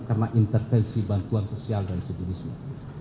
karena intervensi bantuan sosial dan sejenisnya